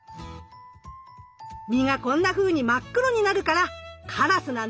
実がこんなふうに真っ黒になるからカラスなんですよ。